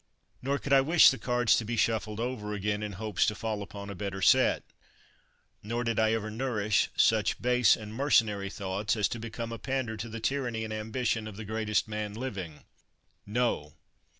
Nor could I wish the cards to be shuffled over again, in hopes to fall upon a better set; nor did I ever nourish sucn base and mercenary thoughts as to become a pander to the tyranny and ambition of the greatest man living. No